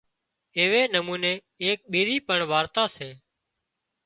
ايوي نموني اِيڪ ٻيزي پڻ وارتا سي